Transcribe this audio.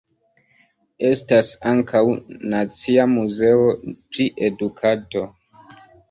Estas ankaŭ "Nacia Muzeo pri Edukado".